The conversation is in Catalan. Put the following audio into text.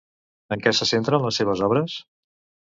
En què se centren les seves obres?